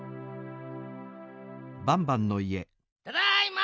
ただいま！